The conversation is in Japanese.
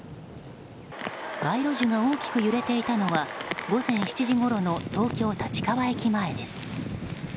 街路樹が大きく揺れていたのは午前７時ごろの東京・立川駅前です。